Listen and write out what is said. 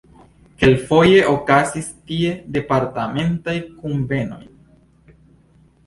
Kelkfoje okazis tie departementaj kunvenoj.